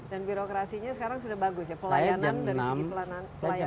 dan birokrasinya sekarang sudah bagus ya pelayanan dari segi pelayanan